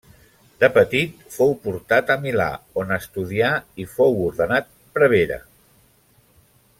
De petit fou portat a Milà, on estudià i fou ordenat prevere.